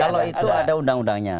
kalau itu ada undang undangnya